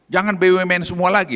jangan bumn semua lagi